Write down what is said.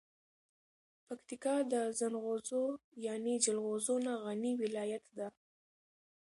پکتیکا د زنغوزو یعنب جلغوزو نه غنی ولایت ده.